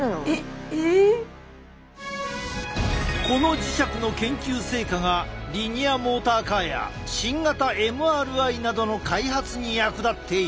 この磁石の研究成果がリニアモーターカーや新型ＭＲＩなどの開発に役立っている！